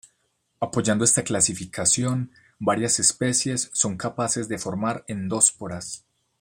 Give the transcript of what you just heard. Apoyando esta clasificación, varias especies son capaces de formar endosporas.